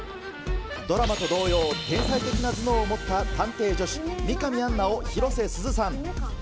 ドラマと同様、天才的な頭脳を持った探偵助手、美神アンナを広瀬すずさん。